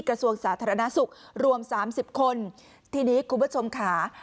กระทรวงสาธารณสุขรวมสามสิบคนทีนี้คุณผู้ชมค่ะ